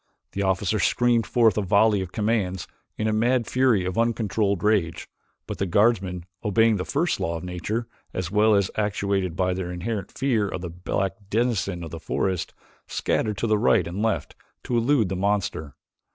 The officer screamed forth a volley of commands in a mad fury of uncontrolled rage but the guardsmen, obeying the first law of nature as well as actuated by their inherent fear of the black denizen of the forest scattered to right and left to elude the monster.